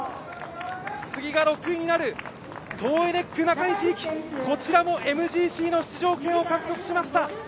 次が６位になるトーエネックの中西亮貴こちらもＭＧＣの出場権を獲得しました。